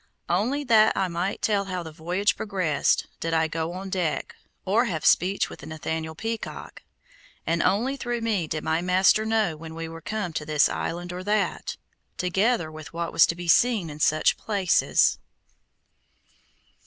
Only that I might tell how the voyage progressed, did I go on deck, or have speech with Nathaniel Peacock, and only through me did my master know when we were come to this island or that, together with what was to be seen in such places.